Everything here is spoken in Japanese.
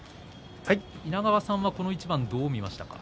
稲川さんはこの一番をどう見ましたか？